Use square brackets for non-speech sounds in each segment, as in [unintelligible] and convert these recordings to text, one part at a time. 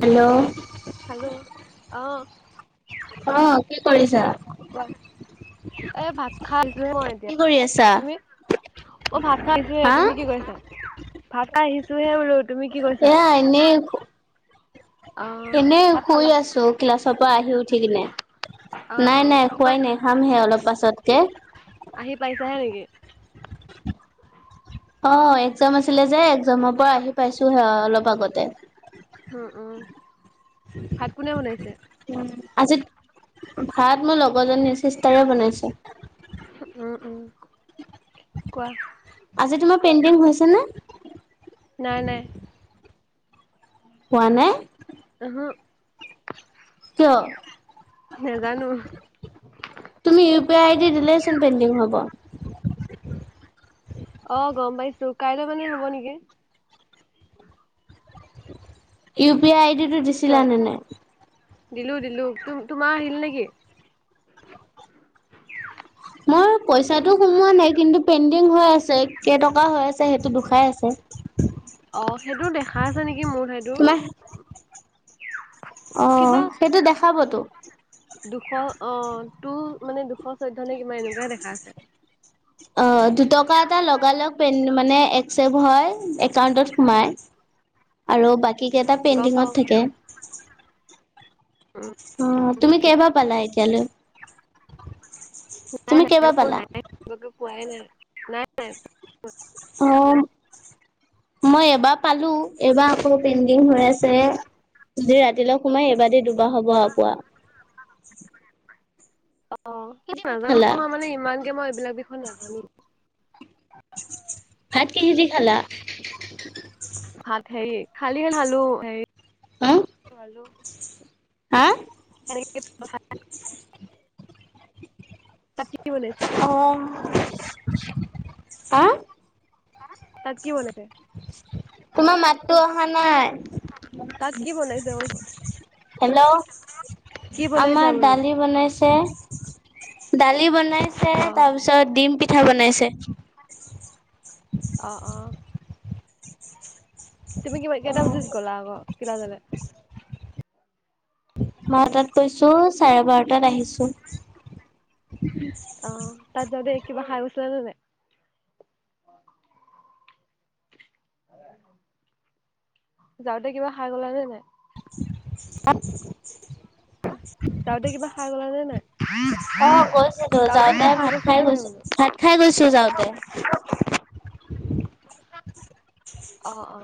Hello? Hello? অ'। অ' কি কৰিছা? এই ভাত খাই উঠিছোহে মই কি এতিয়া। কৰি আছা? তুমি? অ', ভাত খাই উঠিছো হে, হা তুমি কি কৰিছা? ভাত খাই আহিছো হে বোলো, তুমি কি কৰিছা? নেই অ এনেই ভাত শুই খালা আছো ক্লাছৰ পৰা আহি উঠি কিনে, অ অ নাই নাই কিমান খোৱাই নাই। খামহে অলপ পাছতকৈ। আহি পাইছাহে নেকি? অ', এক্সাম আছিলে যে এক্সামৰ পৰা আহি পাইছোহে অলপ আগতে। উম, উম ভাত কোনে বনাইছে? আজি, ভাত মোৰ লগৰজনীৰ চিষ্টাৰে বনাইছে। উম, উম কোৱা। আজি তোমাৰ পেইণ্ডিং হৈছে নে? নাই, নাই। হোৱা নাই? ও'হু'। কিয়? তুমি ইউ পি আই আইডি দিলেচোন পেণ্ডিং হ'ব। অ', গ'ম পাইছো, কাইলৈ মানে হ'ব নেকি? ইউ পি আই আই ডিটো দিছিলা কিয় নে নাই? দিলো, দিলো। তোমাৰ তোমাৰ আহিল নেকি? মই পইচাটো সোমোৱা নাই, কিন্তু পেণ্ডিং হৈ আছে কেইটকা হৈ আছে সেইটো দুখাই আছে। অ', সেইটো দেখাই আছে নেকি মোৰ ঠাইতো। তোমাৰ অ', সেইটো দেখাবতো। দুশ অ' টু মানে দুশ কিমান এনেকুৱাহে আছে। অ', দুটকা এটা লগাল লগে মানে এক্সেপ্ত হয় একাউণ্টত সোমাই। আৰু বাকী কেইটা গম পাও পেণ্ডিঙত থাকে। অ', তুমি কেইবাৰ পালা এতিয়ালৈ? তুমি কেইবাৰ পালা? মই একো পোৱাই নাই, নাই নাই। অ'। মই এবাৰ পালো এইবাৰ আকৌ পেইণ্ডিং হৈ আছে। যি ৰাতিলৈ সোমাই এইবাৰ দি দুবাৰ হব আৰু পোৱা। অ', কিদি ভাত নাজানো খালা? মই মানে ইমানকে মই এইবিলাক বিষয় নাজানো। ভাত কিহে দি খালা? ভাত হেৰি খালি আলু হেৰি হা খালো হা? [unintelligible] তাত কি কি বনাইছে? অ হা? তাত কি বনাইছে? তোমাৰ মাততো অহা নাই। তাত কি বনাইছে কৈছো হেল্ল'! কি বনাইছা আমাৰ বোলো দালি বনাইছে দালি বনাইছে অ তাৰপিছত ডিম পিঠা বনাইছে অ অ। তুমি কিবা কেইটা বজাত গ'লা আকৌ ক্লাছলৈ? বাৰটাত গৈছো চাৰে বাৰটাত আহিছো। অহ তাত যাওঁতে কিবা খাই গৈছিলা নে নাই? যাওঁতে কিবা খাই গলা নে নাই? [unintelligible] যাওঁতে কিবা খাই গলা নে নাই, অ গৈছিলো যাওঁতে কিবা খাই ভাত গৈছিলা নে নাই গৈছো বোলো? ভাত খাই গৈছো যাওঁতে। অ অ।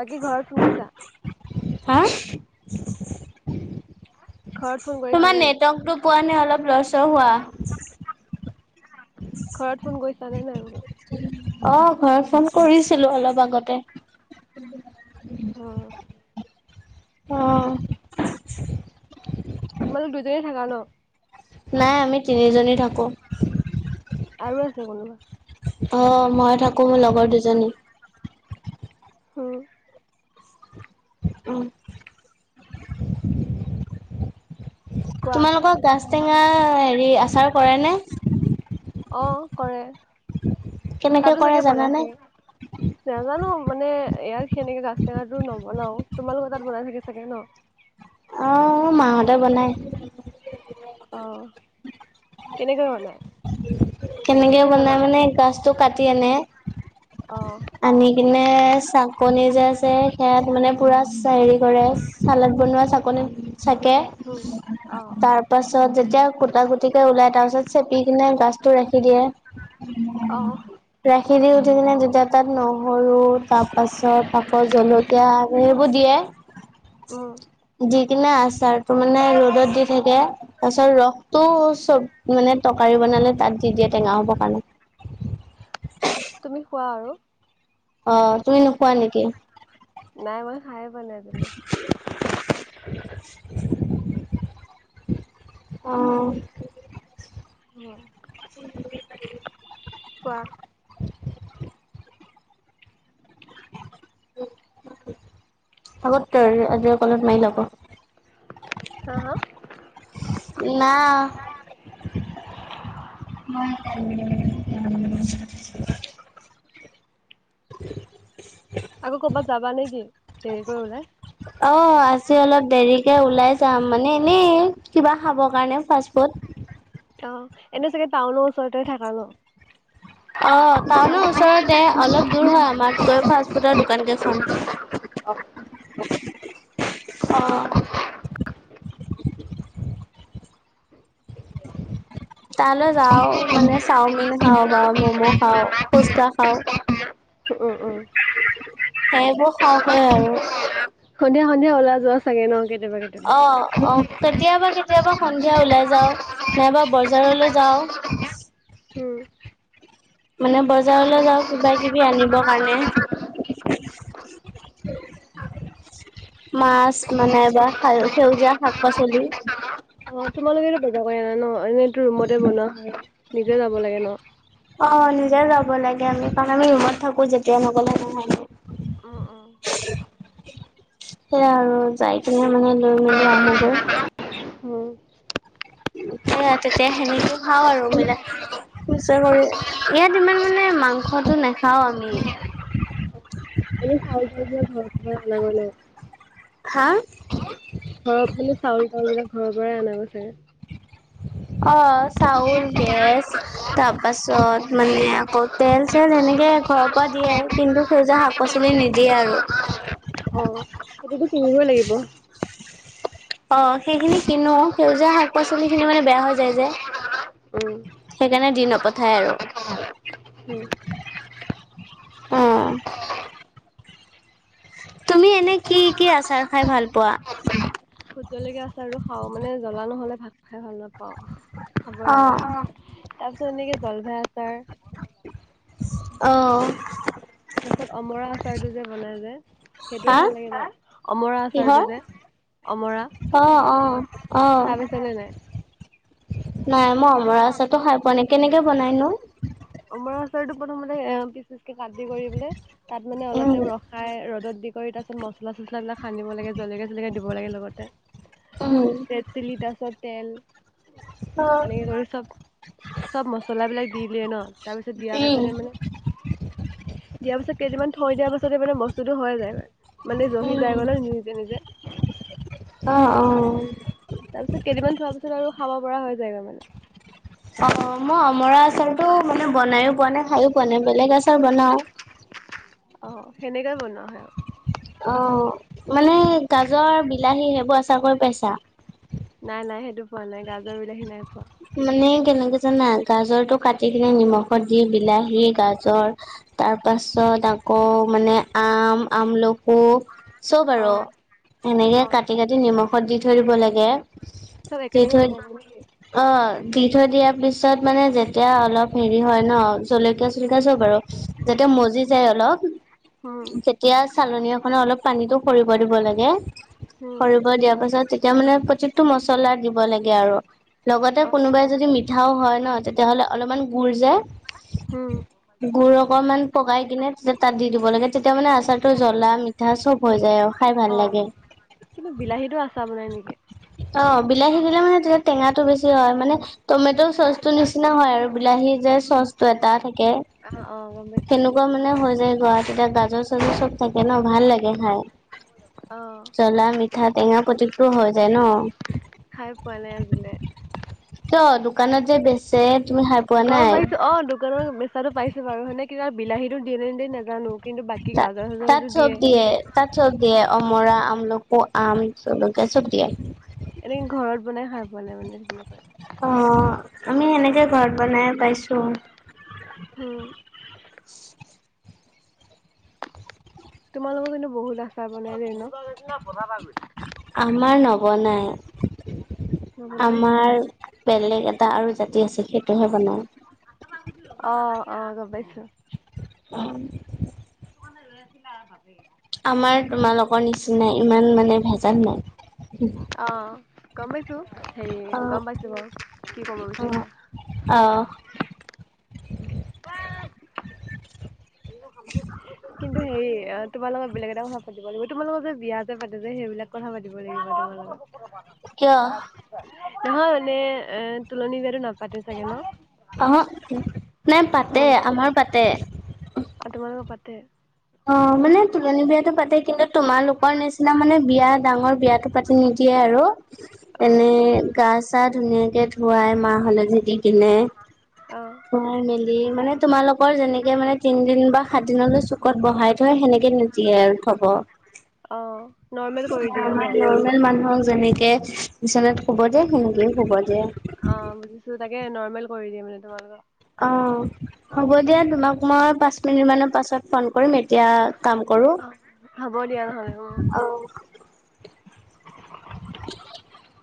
বাকী ঘৰত ফোন কৰিছা? হা? ঘৰত ফোন কৰিছা তোমাৰ নে নাই? নেটৱৰ্কটো পোৱা নাই অলপ লৰচৰ হোৱা। ঘৰত ফোন কৰিছা নে নাই বোলো? অ ঘৰত ফোন কৰিছিলো অলপ আগতে। অ অঁ। তোমালোক দুজনী থাকা ন? নাই আমি তিনিজনী থাকো। আৰু আছে কোনোবা? অঁ মই থাকো, মোৰ লগৰ দুজনী। উম উম কোৱা? তোমালোকৰ গাজ টেঙাৰ হেৰি আচাৰ কৰেনে? অঁ কৰে। কেনেকে তাতো কৰে চাগে জানানে? বনাইছে? নাজানো মানে ইয়াৰ সেনেকে গাজ টেঙাটো নবনাও, তোমালোকৰ তাত বনাই থাকে চাগে ন? অঁ মাহঁতে বনাই। অ, কেনেকৈ বনাই? কেনেকে তুমি জানা? বনাই মানে গাজটো কাটি আনে অ। আনি কিনে চাকনি যে আছে সেয়াত মানে পুৰা চে হেৰি কৰে চালাড বনোৱা চাকনিত চাকে উম, অ', তাৰ তাৰ পাছত যেতিয়া গুটা গুটিকে ওলাই তাৰ পাছত চেপি কিনে গাজ টো ৰাখি দিয়ে। অ', ৰাখি দি উঠি পিনে যেতিয়া তাত নহৰু তাৰ পাছত আকৌ জলকীয়া সেইবোৰ দিয়ে উম। দি কিনে আচাৰটো মানে ৰ'দত দি থাকে তাৰ পিছত ৰসটো চব মানে তৰকাৰী বনালে তাত দি দিয়ে টেঙা হ'বৰ কাৰণে। তুমি খোৱা আৰু? অ। তুমি নোখোৱা নেকি? নাই মই খাইয়ে পোৱা নাই আজি লৈকে। উম কোৱা [unintelligible] মাৰি ল'ব হা হা? না [unintelligible] [unintelligible] আকৌ ক'ৰবাত যাবা নেকি দেৰি কৰি ওলাই? অ আজি অলপ দেৰিকে ওলাই যাম মানে এনেই কিবা খাবৰ কাৰণে ফাষ্ট ফুড। অ এনে চাগে টাউনৰ ওচৰতে থাক নো? অ টাউনৰ ওচৰতে, অলপ দূৰ হয় আমাৰ গৈ ফাষ্ট ফুডৰ দোকান কেইখন। অ তালৈ যাওঁ মানে চাওমিন খাওঁ বা ম'ম' খাওঁ ফুচকা খাওঁ উম উম উম। সেইবোৰ খাও হৈ আৰু। সন্ধিয়া সন্ধিয়া ওলাই যোৱা চাগে ন কেতিয়াবা কেতিয়াবা? অ অ কেতিয়াবা কে কেতিয়াবা সন্ধিয়া ওলাই যাও, নাইবা বজাৰলৈ যাও উম। মানে বজাৰলৈ যাওঁ কিবা কিবি আনিব কাৰণে। মাছ মানে এ বা সেউজীয়া শাক পাচলি অ তোমালোকে বজাৰ কৰি আনা ন এনেইটো ৰুমতে বনোৱা হয় নিজে যাব লাগে ন। অ নিজে যাব লাগে আমি। কাৰণ আমি ৰুমত থাকো যেতিয়া নগলে নহয়। অহ অহ। সেইয়া আৰু যাই কিনে মানে লৈ মেলি আহোঁ গৈ। উম হেইয়া তেতিয়া সেনেকেই খাওঁ আৰু মিলাই। [unintelligible] ইয়াত ইমান মাংসটো নাখাওঁ আমি। [unintelligible] হা? ঘৰত মানে চাউল-তাউল বিলাক ঘৰৰ পৰাই আনাগৈ চাগে? অহ চাউল, গেছ তাৰপাছত মানে আকৌ তেল-চল সেনেকে ঘৰ দিয়ে কিন্তু সেইউয়া শাক পাচলি নিদিয়ে আৰু। অ সেইটোতো কিনিবই লাগিব। অ' সেইখিনি কিনো সেউজীয়া শাক পাচলি খিনি মানে বেয়া হৈ যায় যে উম। সেইকাৰণে দি নপঠায় আৰু উম। অ' তুমি এনে কি কি আচাৰ খাই পোৱা? ভোট জলকীয়া আচাৰ টো খাও মানে জ্বলা নহ'লে ভাত খাই ভাল নাপাও খাবই লগা অ' হয়। তাৰ পিছত এনেকে জলফাই আচাৰ অ'। তাৰ পাছত অমৰা আচাৰটো যে বনাই যে, সেইটোও হা ভাল লাগে যে অমৰা কিহৰ আচাৰটো যে অমৰা অ- অ - অ খাই পাইছানে নাই? নাই মই অমৰা আচাৰ টো খাই পোৱা নাই কেনেকে বনাই নো? অমৰা আচাৰটো প্ৰথমতে এ' পিচ পিচকে কাটি কৰি পেলাই তাত মানে অলপ উম টাইম ৰখ ৰখাই ৰ'দত দি কৰি তাৰ পিছত মছলা চছলাবিলাক সানিব লাগে জলকীয়া জলকীয়া দিব লাগে লগতে উম উম ৰেড চিলি তাৰ পিছত তেল এনেকে কৰি চব চব মছলাবিলাক দি দিয়ে ন' তাৰ পিছত দিয়া পাছতে মানে দিয়াৰ পিছত কেইদিনমান থৈ দিয়া পাছত মানে বস্তুতটো হৈয়ে যায় মান মানে জহি যায় উম গৈ ন নিজে নিজে অ' অ' তাৰপিছত কেইদিনমান থোৱাৰ পিছত আৰু খাব পৰা হৈ যায়গৈ মানে অ' মই অমৰা আচাৰতো মানে বনাইো পোৱা নাই খায়ো পোৱা নাই বেলেগ আচাৰ বনাও। অ' সেনেকাই বনোৱা হয়ে আৰু অ' মানে গাজৰ বিলাহী সেইবোৰ আচা কৰি পাইছা। নাই নাই সেইটো পোৱা নাই গাজৰ, বিলাহী নাই পোৱা। মানে কেনেকে জানা গাজৰটো কাটি কিনে নিমখত দি বিলাহী গাজৰ তাৰপাছত আকৌ মানে আম, আমলকো চব আৰু অ', এনেকে অ', কাটি কাটি নিমখত দি থৈ দিব লাগে। চব দি একেলগে থৈ বনা বা নেকি অ' দি থৈ দিয়াৰ পিছত মানে যেতিয়া অলপ হেৰি হয় ন' জলকীয়া চলকীয়া চব বাৰু যেতিয়া মজি যায় অলপ হুম, তেতিয়া চালনী এখনত অলপ পানীতটো সৰি পৰিব লাগে। হুম, সৰিব দিয়াৰ পাছত তেতিয়া মানে প্ৰত্যেকটো মছলা দিব লাগে আৰু লগতে অ', কোনোবাই যদি মিঠাও হয় ন' তেতিয়াহ'লে অলপমান গুৰ যে হুম। গুৰ অকণমান পগাই কিনে তে তাত দি দিব লাগে তেতিয়া মানে আচাৰটো জ্বলা মিঠা চব হৈ যায় আৰু। খাই ভাল অ' লাগে। কিন্তু বিলাহীতটো আচাৰ বনাই নেকি অ' বিলাহী দিলে মানে তেতিয়া টেঙা টো চচ টো বেছি হয় মানে টমেট' চচটো নিচিনা হয় আৰু বিলাহী যে চচ চুৱেটাৰ থাকে অ', অ', গম পাইছোঁ। সেনেকা [unintelligible] মানে হৈ যায় গ' তেতিয়া গাজৰ চাজৰ চব থাকে ন ভাল লাগে খাই। অ' জলা মিঠা টেঙা প্ৰত্যেকটো হৈ যায় ন' খাই পোৱা নাই আজিলৈ কিয় দোকানত যে বেচে তুমি খাই পোৱা গম নাই পাইছোঁ, অ', বেচাটো পাইছো বাৰু সেনে কিবা বিলাহীতো দিয়ে নিদে নাজানো কিন্তু বাকী তাত গাজৰ তাত চাজৰো চব দিয়ে। তাত চব দিয়ে অমৰা, আমলকো, আম, জলকীয়া চব দিয়ে। এনেকে ঘৰত বনাই খায় পোৱা নাই মানে তেনেকৈ। অঁ 'আমি এনেকে ঘৰত বনাই পাইছোঁ। হম। তোমালোকৰ কিন্তু বহুত আচাৰ বনাই দেই ন? [unintelligible] আমাৰ নবনাই। নবনাই? আমাৰ বেলেগ এটা আৰু জাতি আছে সেইটোহে বনাই। [inaudible] অ' অ' গম পাইছোঁ। [unintelligible] [unintelligible] আমাৰ তোমালোকৰ নিচিনা ইমান মানে ভেজাল নাই। অঁ। গম পাইছো হেৰি অ', গম পাইছো বাৰু কি কব বিচাৰিছা। অঁহ। উম। [unintelligible] হেৰি তোমাৰ লগত বেলেগ এটা কথা পাতিব লাগিব, তোমালোকৰ যে বিয়া যে পাতে যে সেইবিলাক কথা পাতি লাগিব তোমাৰ কিয় লগত। নহয় মানে এ তুলনি বিয়াটো নাপাতে চাগে ন? অঁ হঃ নাই পাতে উম, আমাৰ পাতে। অ তোমালোকৰ পাতে। অ মানে তুলনি বিয়াটো পাতে, কিন্তু তোমালোকৰ নিচিনা মানে বিয়া ডাঙৰ বিয়াটো পাতি নিদিয়ে আৰু। অ', এনেই গা চা ধুনীয়াকে ধুৱাই মাহ হালধি দি কিনে। অঁ। খোৱাই মেলি মানে তোমালোকৰ যেনেকে মানে তিন দিন বা সাত দিনলৈ চো কত বহাই থয় সেনেকে নিদিয়ে আৰু থব। অ', নৰ্মেল কৰি দিয়ে আমাৰ ন? নৰমেল মানুহক যেনেকে বিছনাত শুব দিয়ে সেনেকেই শুব দিয়ে। অঁ। তোৰ তাকে নৰ্মেল কৰি দিয়ে মানে তোমালোকৰ। অঁ হ'ব দিয়া তোমাক মই পাঁচ মিনিট মানৰ পাছত ফোন কৰিম এতিয়া কাম কৰো, অ', হ'ব দিয়া নহ'লে উম। অঁ। [unintelligible] [unintelligible]